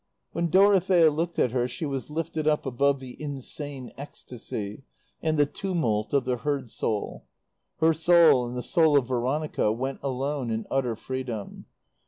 When Dorothea looked at her she was lifted up above the insane ecstasy and the tumult of the herd soul. Her soul and the soul of Veronica went alone in utter freedom.